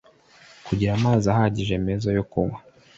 kugira amazi ahagije meza yo kunywa